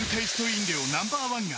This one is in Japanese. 飲料ナンバーワンが